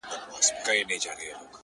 دښایستونو خدایه اور ته به مي سم نیسې!